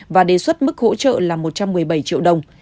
và đề xuất mức hỗ trợ là một trăm một mươi bảy triệu đồng